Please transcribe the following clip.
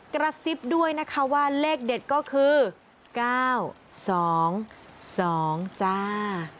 กระซิบด้วยนะคะว่าเลขเด็ดก็คือ๙๒๒จ้า